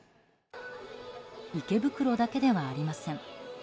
池袋だけではありません。